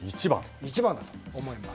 一番だと思います。